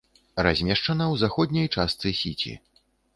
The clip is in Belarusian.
Размешчана ў заходняй частцы сіці.